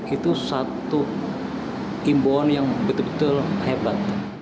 itu satu imbauan yang betul betul hebat